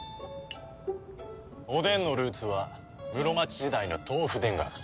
おでんのルーツは室町時代の豆腐田楽。